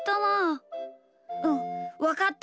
うんわかった。